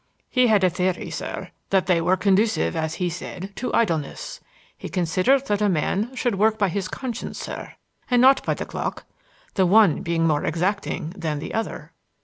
He had a theory, sir, that they were conducive, as he said, to idleness. He considered that a man should work by his conscience, sir, and not by the clock,—the one being more exacting than the other."